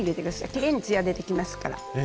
きれいにつや出てきますから。